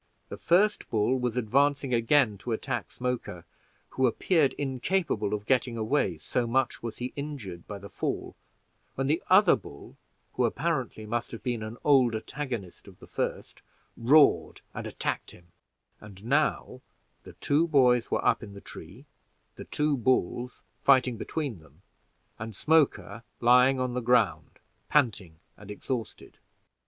The first bull was advancing again to attack Smoker, who appeared incapable of getting away, so much was he injured by the fall, when the other bull, who apparently must have been an old antagonist of the first, roared and attacked him; and now the two boys were up in the tree, the two bulls fighting between them, and Smoker lying on the ground, panting and exhausted.